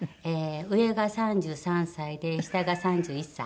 上が３３歳で下が３１歳。